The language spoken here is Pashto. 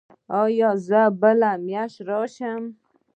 ایا زه بله میاشت راشم؟